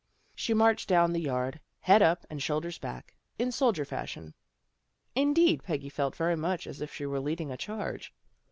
She marched down the yard, head up and shoulders back, in soldier fashion. Indeed Peggy felt very much as if she were leading a charge.